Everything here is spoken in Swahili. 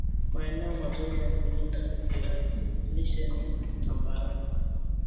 maaeneo mazuri ya kulima viazi lishe ni tambarare